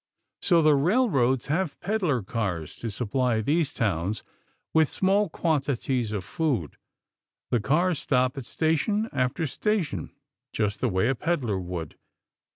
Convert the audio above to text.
So the railroads have peddler cars to supply these towns with small quantities of food. The cars stop at station after station, just the way a peddler would.